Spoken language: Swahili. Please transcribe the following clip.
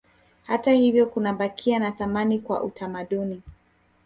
Hata hivyo kunabakia na thamani kwa utamaduni